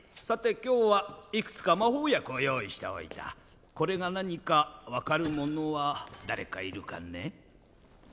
さて今日はいくつか魔法薬を用意しておいたこれが何か分かる者は誰かいるかね？